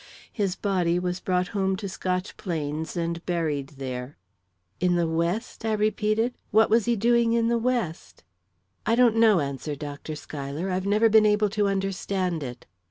His body was brought home to Scotch Plains and buried there." "In the West?" I repeated. "What was he doing in the West?" "I don't know," answered Dr. Schuyler. "I've never been able to understand it."